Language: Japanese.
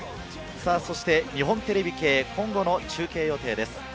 そして日本テレビ系、今後の中継予定です。